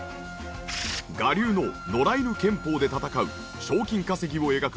我流の野良犬剣法で戦う賞金稼ぎを描く